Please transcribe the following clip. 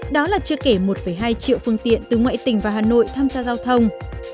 đó là chưa kể một hai triệu phương tiện từ ngoại tỉnh và hà nội tham gia giao thông